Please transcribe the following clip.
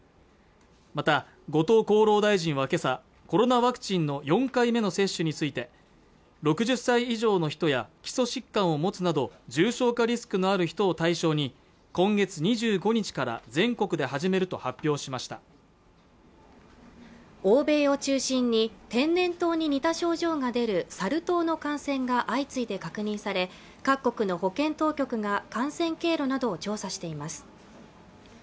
また後藤厚労大臣はけさコロナワクチンの４回目の接種について６０歳以上の人や基礎疾患を持つなど重症化リスクのある人を対象に今月２５日から全国で始めると発表しました欧米を中心に天然痘に似た症状が出るサル痘の感染が相次いで確認され各国の保健当局が感染経路などを調査しています